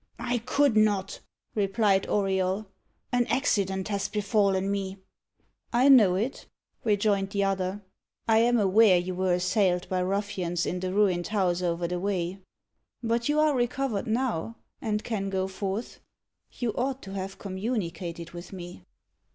"I could not," replied Auriol "an accident has befallen me." "I know it," rejoined the other. "I am aware you were assailed by ruffians in the ruined house over the way. But you are recovered now, and can go forth. You ought to have communicated with me."